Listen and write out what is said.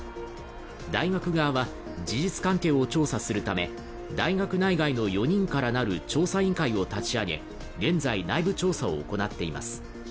大学側は、事実関係を調査するため大学内外の４人からなる調査委員会を立ち上げ、現在、内部調査を行っています。